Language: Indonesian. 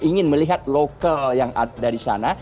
ingin melihat lokal yang ada di sana